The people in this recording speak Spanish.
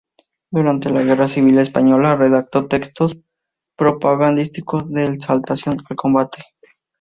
Durante la guerra civil española redactó textos propagandísticos de exaltación al combate.